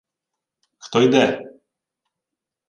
— Хто йде?